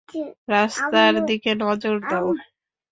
রাস্তার দিকে নজর দাও।